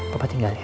papa tinggal ya